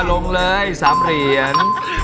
ลงเลย๓เหรียญ